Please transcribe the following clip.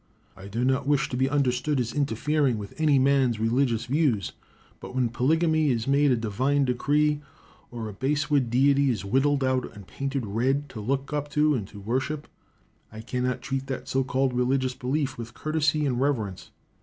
I do not wish to be understood as interfering with any man's religious views; but when polygamy is made a divine decree, or a basswood deity is whittled out and painted red, to look up to and to worship, I cannot treat that so called religious belief with courtesy and reverence.